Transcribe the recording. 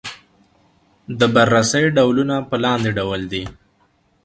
د بررسۍ ډولونه په لاندې ډول دي.